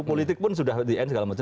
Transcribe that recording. politik pun sudah di end segala macam